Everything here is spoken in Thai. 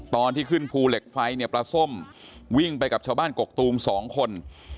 ตอนที่ขึ้นภูเหล็กไฟเนี่ยปลาส้มวิ่งไปกับชาวบ้านกกตูม๒คน